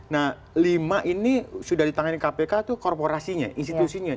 nah lima ini sudah ditangani kpk itu korporasinya institusinya